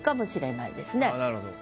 なるほど。